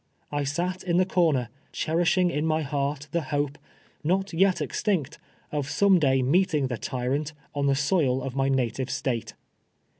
I sat in the corner, cherishing in my heart the hope, nut yet extinct, of some day meeting the tyrant on the soil of my native State.